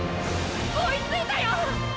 追いついたよ！！